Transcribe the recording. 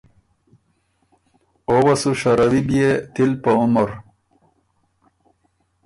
او وه سو شَرَوی بيې تِل په عمر۔